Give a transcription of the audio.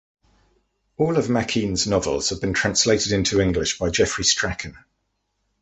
All of Makine's novels have been translated into English by Geoffrey Strachan.